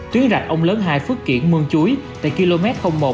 tuyến rạch ông lớn hai phước kiển mương chuối tại km một hai trăm linh